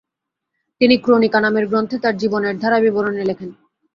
তিনি ক্রোনিকা নামের গ্রন্থে তার জীবনের ধারাবিবরণী লেখেন।